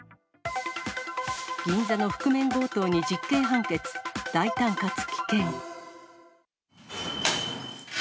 銀座の覆面強盗に実刑判決、大胆かつ危険。